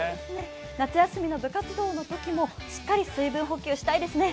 夏休みの部活動のときもしっかり水分補給したいですね。